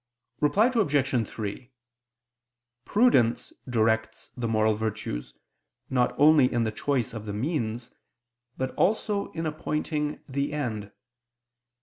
Reply Obj. 3: Prudence directs the moral virtues not only in the choice of the means, but also in appointing the end.